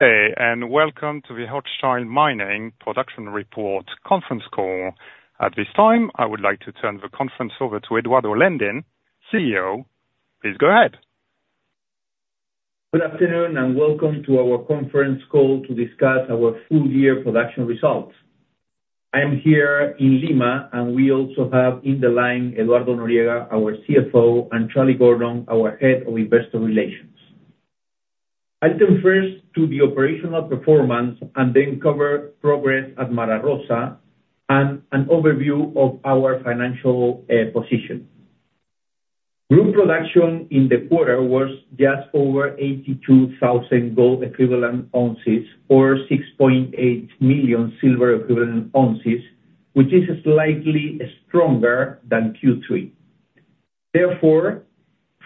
Hey, and welcome to the Hochschild Mining Production Report conference call. At this time, I would like to turn the conference over to Eduardo Landin, CEO. Please go ahead. Good afternoon, and welcome to our conference call to discuss our full year production results. I am here in Lima, and we also have in the line Eduardo Noriega, our CFO, and Charlie Gordon, our Head of Investor Relations. I'll come first to the operational performance and then cover progress at Mara Rosa, and an overview of our financial position. Group production in the quarter was just over 82,000 gold equivalent ounces or 6.8 million silver equivalent ounces, which is slightly stronger than Q3. Therefore,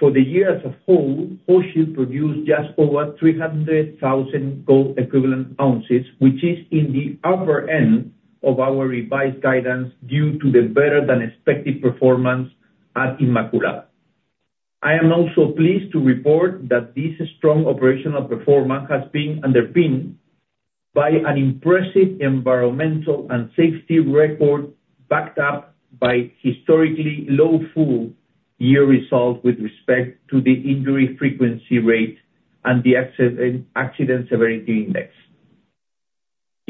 for the year as a whole, Hochschild produced just over 300,000 gold equivalent ounces, which is in the upper end of our revised guidance, due to the better than expected performance at Inmaculada. I am also pleased to report that this strong operational performance has been underpinned by an impressive environmental and safety record, backed up by historically low full-year results with respect to the injury frequency rate and the accident severity index.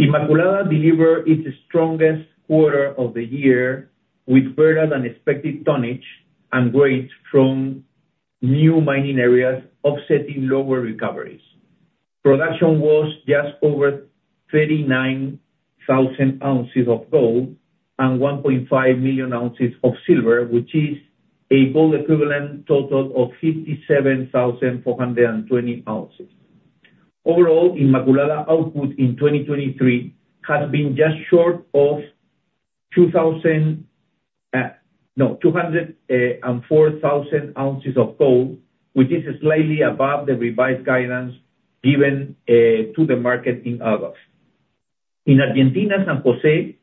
Inmaculada delivered its strongest quarter of the year, with better than expected tonnage and grades from new mining areas, offsetting lower recoveries. Production was just over 39,000 ounces of gold and 1.5 million ounces of silver, which is a gold equivalent total of 57,420 ounces. Overall, Inmaculada output in 2023 has been just short of 2,000, no, 204,000 ounces of gold, which is slightly above the revised guidance given to the market in August. In Argentina, San Jose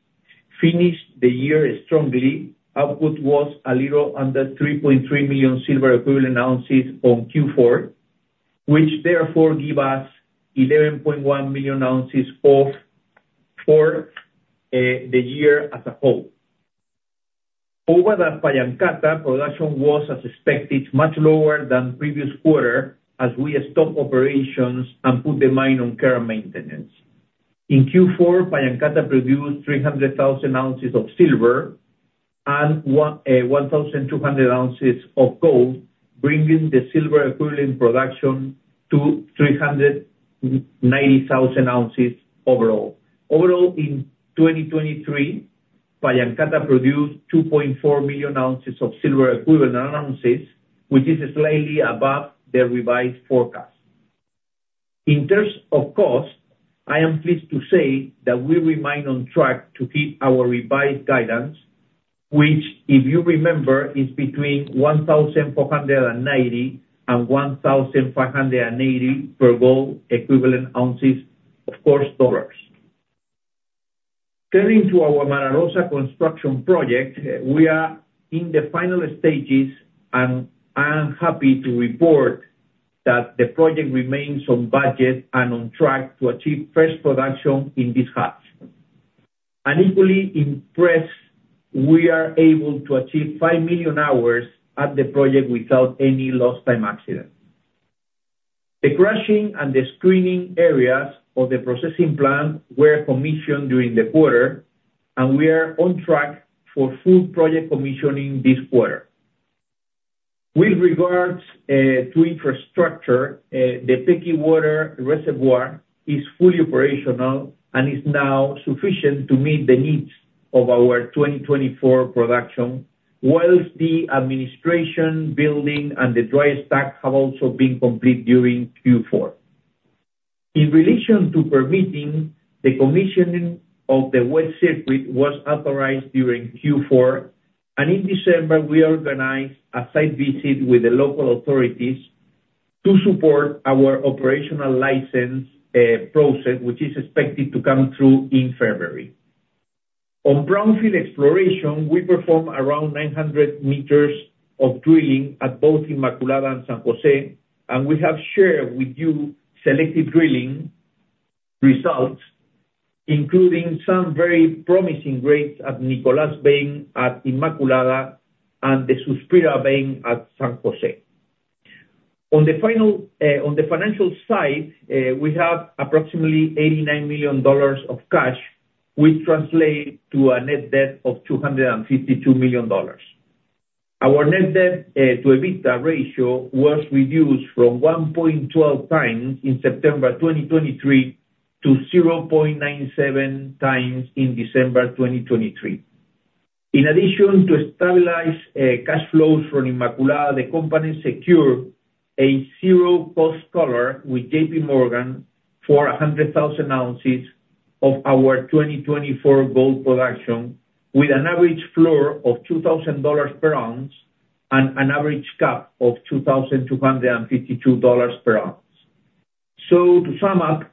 finished the year strongly. Output was a little under 3.3 million silver equivalent ounces in Q4, which therefore give us 11.1 million ounces for the year as a whole. For Pallancata, production was as expected, much lower than previous quarter, as we stopped operations and put the mine on care and maintenance. In Q4, Pallancata produced 300,000 ounces of silver and 1,200 ounces of gold, bringing the silver equivalent production to 390,000 ounces overall. Overall, in 2023, Pallancata produced 2.4 million ounces of silver equivalent ounces, which is slightly above the revised forecast. In terms of cost, I am pleased to say that we remain on track to keep our revised guidance, which, if you remember, is between $1,490 and $1,580 per gold equivalent ounce. Getting to our Mara Rosa construction project, we are in the final stages, and I am happy to report that the project remains on budget and on track to achieve first production in this half. And equally impressive, we are able to achieve 5 million hours at the project without any lost time accident. The crushing and the screening areas of the processing plant were commissioned during the quarter, and we are on track for full project commissioning this quarter. With regards to infrastructure, the Pequi Water Reservoir is fully operational and is now sufficient to meet the needs of our 2024 production, while the administration building and the dry stack have also been completed during Q4. In relation to permitting, the commissioning of the wet circuit was authorized during Q4, and in December, we organized a site visit with the local authorities to support our operational license process, which is expected to come through in February. On brownfield exploration, we performed around 900 meters of drilling at both Inmaculada and San Jose, and we have shared with you selective drilling results, including some very promising grades at Nicolas vein at Inmaculada and the Suspiro vein at San Jose. On the final, on the financial side, we have approximately $89 million of cash, which translate to a net debt of $252 million. Our net debt to EBITDA ratio was reduced from 1.12x in September 2023, to 0.97x in December 2023. In addition to stabilize cash flows from Inmaculada, the company secured a zero cost collar with J.P. Morgan for 100,000 ounces of our 2024 gold production, with an average floor of $2,000 per ounce and an average cap of $2,252 per ounce. So to sum up,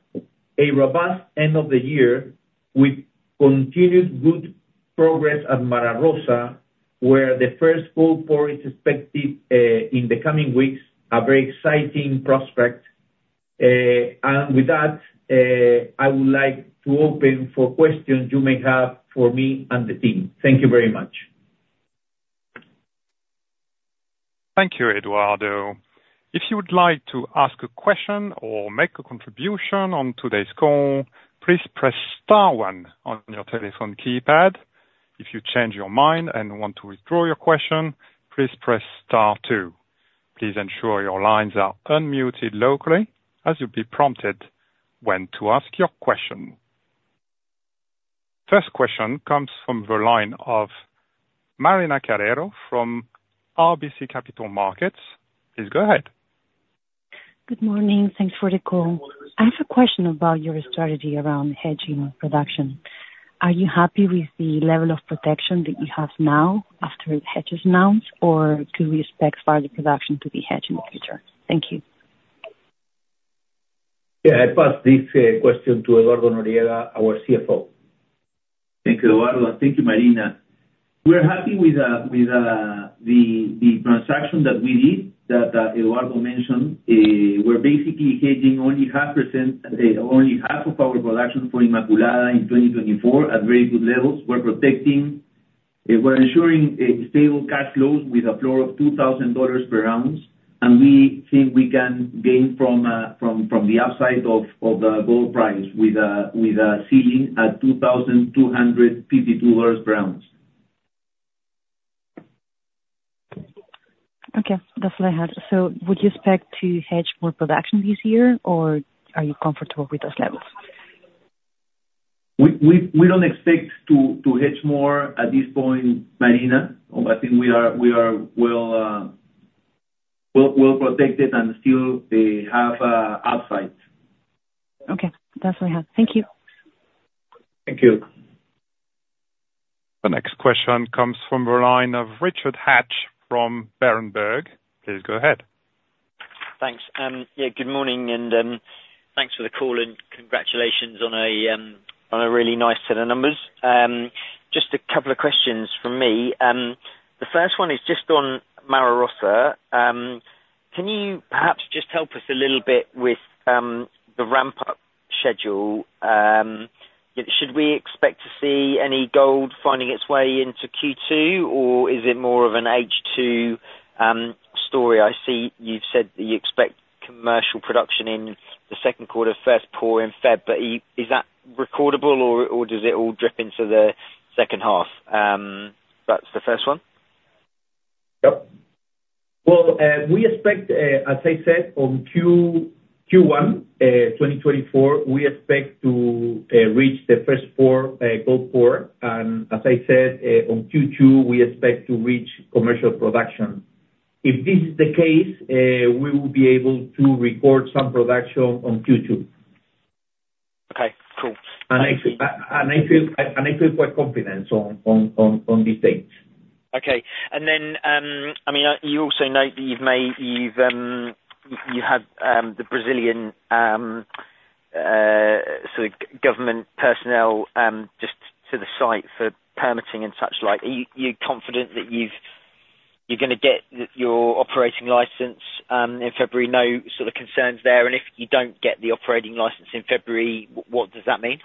a robust end of the year with continued good progress at Mara Rosa, where the first gold pour is expected in the coming weeks, a very exciting prospect. With that, I would like to open for questions you may have for me and the team. Thank you very much. Thank you, Eduardo. If you would like to ask a question or make a contribution on today's call, please press star one on your telephone keypad. If you change your mind and want to withdraw your question, please press star two. Please ensure your lines are unmuted locally as you'll be prompted when to ask your question. First question comes from the line of Marina Calero from RBC Capital Markets. Please go ahead. Good morning. Thanks for the call. I have a question about your strategy around hedging on production. Are you happy with the level of protection that you have now after the hedge is announced, or could we expect further production to be hedged in the future? Thank you. Yeah, I pass this question to Eduardo Noriega, our CFO. Thank you, Eduardo. Thank you, Marina. We're happy with the transaction that we did, that Eduardo mentioned. We're basically hedging only half of our production for Inmaculada in 2024 at very good levels. We're protecting, we're ensuring a stable cash flow with a floor of $2,000 per ounce, and we think we can gain from the upside of the gold price with a ceiling at $2,252 per ounce. Okay. That's what I had. So would you expect to hedge more production this year, or are you comfortable with those levels? We don't expect to hedge more at this point, Marina. I think we are well protected and still have upside. Okay. That's what I have. Thank you. Thank you. The next question comes from the line of Richard Hatch from Berenberg. Please go ahead. Thanks. Yeah, good morning, and, thanks for the call and congratulations on a, on a really nice set of numbers. Just a couple of questions from me. The first one is just on Mara Rosa. Can you perhaps just help us a little bit with, the ramp-up schedule? Should we expect to see any gold finding its way into Q2, or is it more of an H2, story? I see you've said that you expect commercial production in the second quarter, first pour in February, but is that recordable or, or does it all drip into the second half? That's the first one. Yep. Well, we expect, as I said, on Q1 2024, we expect to reach the first pour, gold pour, and as I said, on Q2, we expect to reach commercial production. If this is the case, we will be able to record some production on Q2. Okay, cool. I feel quite confident on these dates. Okay. And then, I mean, you also note that you had the Brazilian sort of government personnel just to the site for permitting and such like. Are you confident that you're gonna get your operating license in February? No sort of concerns there, and if you don't get the operating license in February, what does that mean?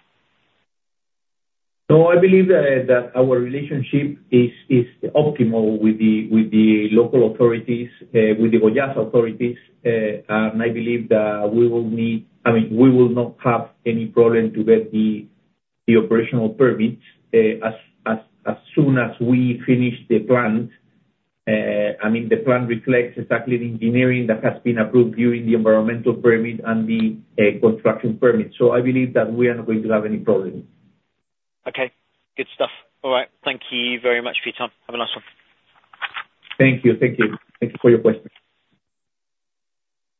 No, I believe that our relationship is optimal with the local authorities, with the Goiás authorities. And I believe that we will need... I mean, we will not have any problem to get the operational permits as soon as we finish the plant. I mean, the plan reflects exactly the engineering that has been approved during the environmental permit and the construction permit. So I believe that we are not going to have any problems. Okay. Good stuff. All right. Thank you very much for your time. Have a nice one. Thank you. Thank you. Thank you for your question.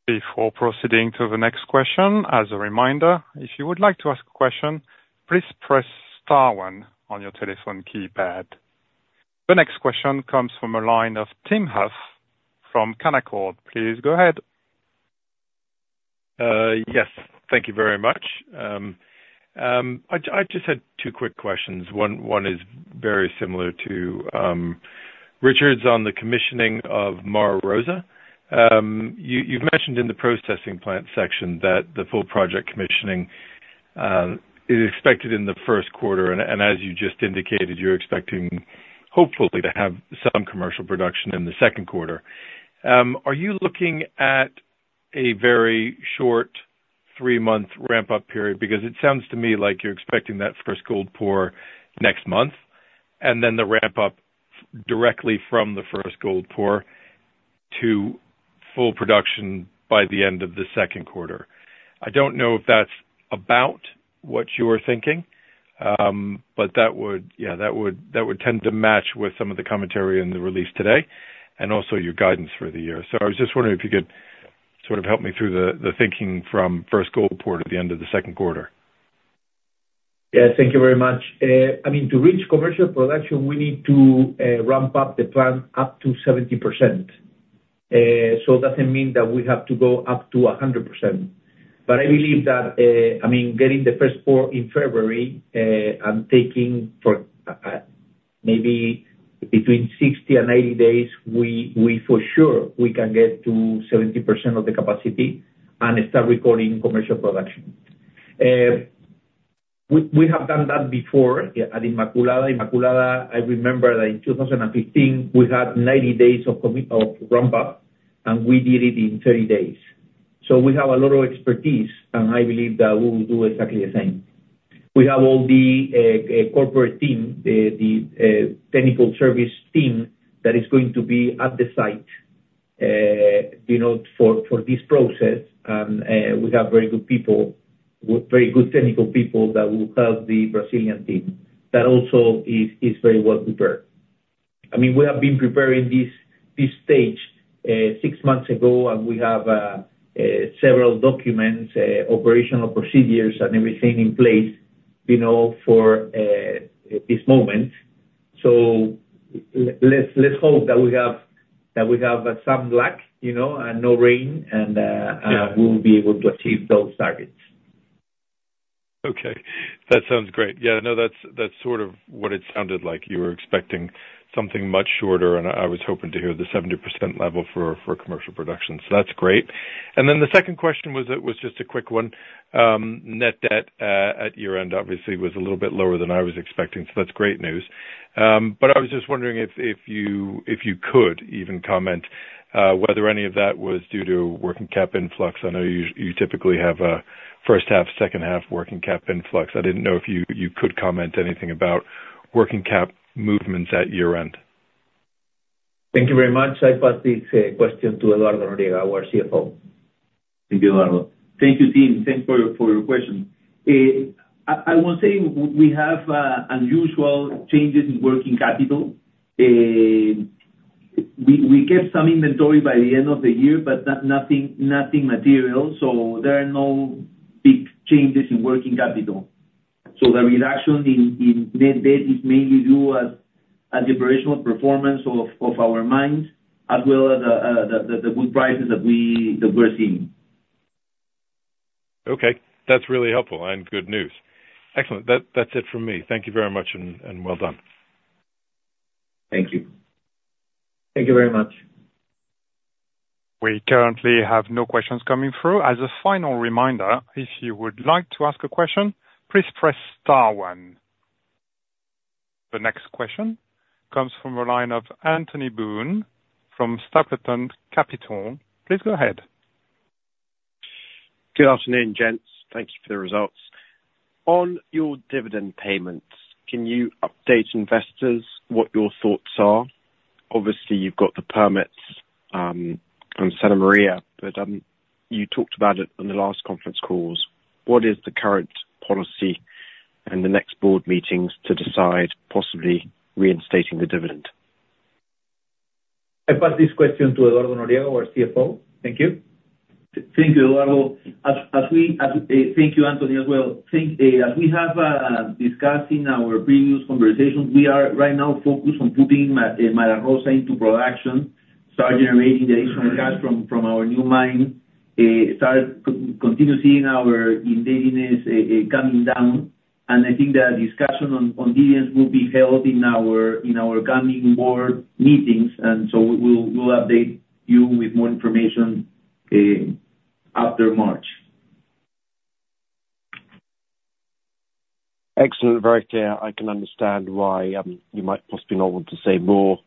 Before proceeding to the next question, as a reminder, if you would like to ask a question, please press star one on your telephone keypad. The next question comes from the line of Tim Huff from Canaccord. Please go ahead. Yes, thank you very much. I just had two quick questions. One is very similar to Richard's on the commissioning of Mara Rosa. You've mentioned in the processing plant section that the full project commissioning is expected in the first quarter, and as you just indicated, you're expecting, hopefully, to have some commercial production in the second quarter. Are you looking at a very short three-month ramp-up period? Because it sounds to me like you're expecting that first gold pour next month, and then the ramp-up directly from the first gold pour to full production by the end of the second quarter. I don't know if that's about what you are thinking, but that would - yeah, that would, that would tend to match with some of the commentary in the release today, and also your guidance for the year. So I was just wondering if you could sort of help me through the, the thinking from first gold pour to the end of the second quarter. Yeah, thank you very much. I mean, to reach commercial production, we need to ramp up the plant up to 70%.... so it doesn't mean that we have to go up to 100%. But I believe that, I mean, getting the first pour in February, and taking for, maybe between 60 and 80 days, we for sure, we can get to 70% of the capacity and start recording commercial production. We have done that before, yeah, at Inmaculada. Inmaculada, I remember that in 2015, we had 90 days of ramp up, and we did it in 30 days. So we have a lot of expertise, and I believe that we will do exactly the same. We have all the corporate team, the technical service team that is going to be at the site, you know, for this process. And we have very good people, very good technical people that will help the Brazilian team. That also is very well prepared. I mean, we have been preparing this stage six months ago, and we have several documents, operational procedures and everything in place, you know, for this moment. So let's hope that we have some luck, you know, and no rain, and Yeah. We will be able to achieve those targets. Okay, that sounds great. Yeah, no, that's, that's sort of what it sounded like. You were expecting something much shorter, and I, I was hoping to hear the 70% level for, for commercial production, so that's great. And then the second question was, it was just a quick one. Net debt at year-end obviously was a little bit lower than I was expecting, so that's great news. But I was just wondering if, if you, if you could even comment whether any of that was due to working cap influx. I know you, you typically have a first half, second half working cap influx. I didn't know if you, you could comment anything about working cap movements at year-end. Thank you very much. I pass this question to Eduardo Noriega, our CFO. Thank you, Eduardo. Thank you, Tim. Thanks for your question. I would say we have unusual changes in working capital. We kept some inventory by the end of the year, but nothing material, so there are no big changes in working capital. So the reduction in net debt is mainly due to the operational performance of our mines, as well as the good prices that we're seeing. Okay, that's really helpful and good news. Excellent. That, that's it from me. Thank you very much, and, and well done. Thank you. Thank you very much. We currently have no questions coming through. As a final reminder, if you would like to ask a question, please press star one. The next question comes from the line of Anthony Boone from Stapleton Capital. Please go ahead. Good afternoon, gents. Thank you for the results. On your dividend payments, can you update investors what your thoughts are? Obviously, you've got the permits on Mara Rosa, but you talked about it on the last conference calls. What is the current policy in the next board meetings to decide possibly reinstating the dividend? I pass this question to Eduardo Noriega, our CFO. Thank you. Thank you, Eduardo. Thank you, Anthony, as well. As we have discussed in our previous conversations, we are right now focused on putting Mara Rosa into production, start generating the additional cash from our new mine, and continue seeing our indebtedness coming down. And I think that discussion on dividends will be held in our coming board meetings, and so we'll update you with more information after March. Excellent. Very clear. I can understand why you might possibly not want to say more,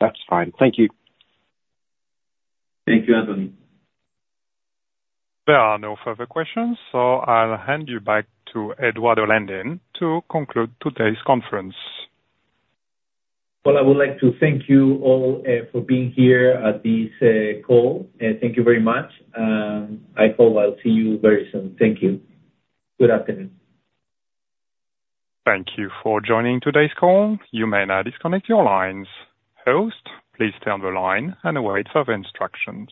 that's fine. Thank you. Thank you, Anthony. There are no further questions, so I'll hand you back to Eduardo Landin to conclude today's conference. Well, I would like to thank you all for being here at this call, and thank you very much. I hope I'll see you very soon. Thank you. Good afternoon. Thank you for joining today's call. You may now disconnect your lines. Host, please stay on the line and await further instructions.